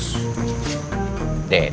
kita tanya jeb yuk